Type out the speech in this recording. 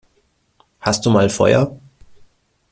Hast du mal Feuer?